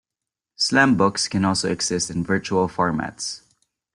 Slam books can also exist in virtual formats.